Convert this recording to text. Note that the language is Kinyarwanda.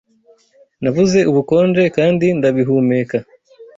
Nabuze ubukonje kandi ndabihumeka